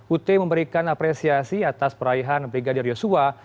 ut memberikan apresiasi atas peraihan brigadir yosua